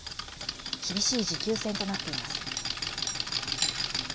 厳しい持久戦となっています。